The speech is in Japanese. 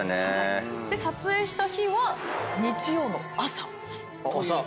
撮影した日は日曜の朝という。